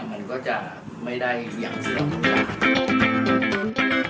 มันก็จะไม่ได้อย่างสินคมของการ